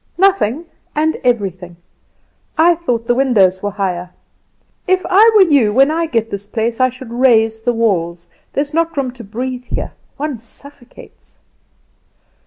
"Nothing and everything. I thought the windows were higher. If I were you, when I get this place I should raise the walls. There is not room to breathe here. One suffocates."